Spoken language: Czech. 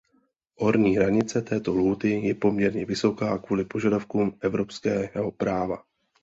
Horní hranice této lhůty je poměrně vysoká kvůli požadavkům evropského práva.